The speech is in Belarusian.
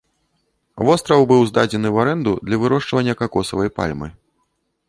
Востраў быў здадзены ў арэнду для вырошчвання какосавай пальмы.